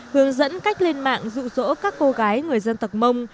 hướng dẫn cách lên mạng dụ dỗ các cô gái người dân tập mông